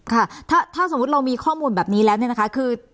ค่ะถ้าสมมุติเรามีข้อมูลแบบนี้แล้วเนี่ยนะคะคือ